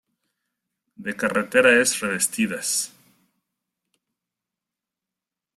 De carretera es revestidas.